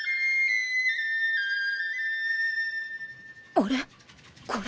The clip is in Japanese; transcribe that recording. あれ？